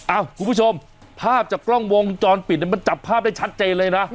คุณผู้ชมภาพจากกล้องวงจรปิดมันจับภาพได้ชัดเจนเลยนะ